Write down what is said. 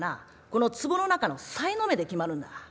この壺の中のさいの目で決まるんだ。